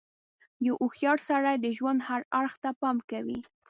• یو هوښیار سړی د ژوند هر اړخ ته پام کوي.